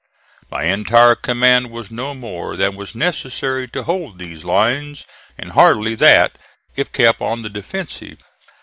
My entire command was no more than was necessary to hold these lines, and hardly that if kept on the defensive.